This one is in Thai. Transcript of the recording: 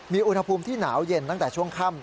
มีอุณหภูมิที่หนาวเย็นตั้งแต่ช่วงค่ำ